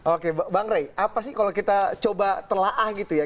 oke bang rey apa sih kalau kita coba telah gitu ya